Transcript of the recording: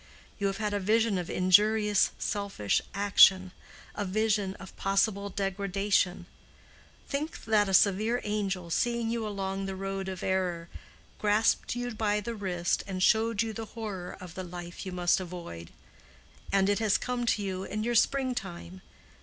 You have had a vision of injurious, selfish action—a vision of possible degradation; think that a severe angel, seeing you along the road of error, grasped you by the wrist and showed you the horror of the life you must avoid. And it has come to you in your spring time.